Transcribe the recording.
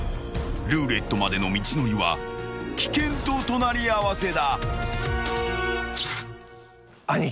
［ルーレットまでの道のりは危険と隣り合わせだ］